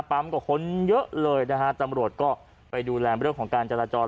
กับคนเยอะเลยนะฮะตำรวจก็ไปดูแลเรื่องของการจราจร